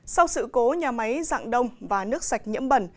sau sự cố nhà máy dạng đông và nước sạch nhiễm bẩn